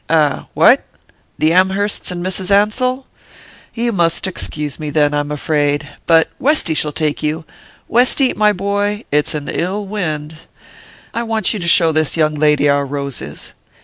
"Eh? What? The Amhersts and Mrs. Ansell? You must excuse me then, I'm afraid but Westy shall take you. Westy, my boy, it's an ill wind.... I want you to show this young lady our roses."